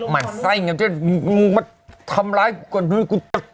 มันใส่อย่างนี้มันทำร้ายก่อนด้วยกู